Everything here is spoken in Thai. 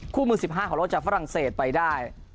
มือ๑๕ของโลกจากฝรั่งเศสไปได้